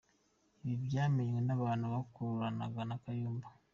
Ibi byamenywe n’abantu bakoranaga na Kayumba.